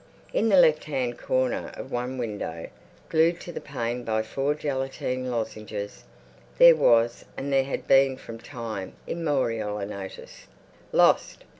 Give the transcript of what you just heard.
In the left hand corner of one window, glued to the pane by four gelatine lozenges, there was—and there had been from time immemorial—a notice. LOST!